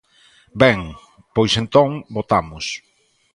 Ben, pois, entón, votamos.